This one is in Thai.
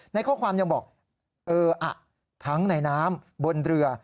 ในข้อความยังบอกเอออ่ะทั้งในน้ำบนเรือ